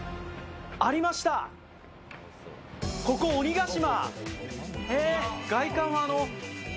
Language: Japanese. ここ、鬼ヶ島。